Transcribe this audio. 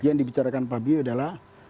apa yang saya bicarakan pak habibie adalah